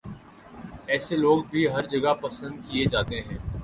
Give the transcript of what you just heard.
ایسے لوگ بھی ہر جگہ پسند کیے جاتے ہیں